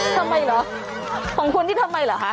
ทำไมเหรอของคุณนี่ทำไมเหรอคะ